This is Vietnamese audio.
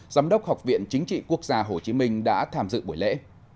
giám đốc học viện chính trị quốc gia hồ chí minh đã tham dự buổi lễ